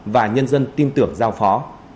và nhân dân tin tưởng giao phó